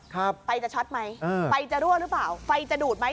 เข้าไปจะชอสไหมจะรั่วรื่อเปล่าไฟจะดูดไหม